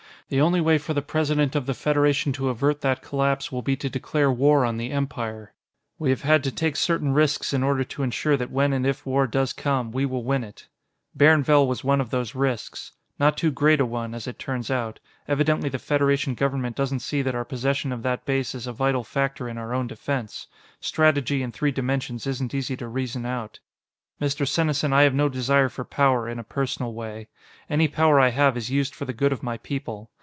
The only way for the President of the Federation to avert that collapse will be to declare war on the Empire. We have had to take certain risks in order to insure that when and if war does come, we will win it. "Bairnvell was one of those risks. Not too great a one, as it turns out; evidently the Federation government doesn't see that our possession of that base is a vital factor in our own defense. Strategy in three dimensions isn't easy to reason out. "Mr. Senesin, I have no desire for power in a personal way. Any power I have is used for the good of my people.